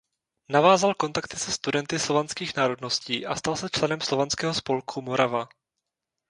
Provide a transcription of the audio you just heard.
Navázal kontakty se studenty slovanských národností a stal se členem slovanského spolku "Morava".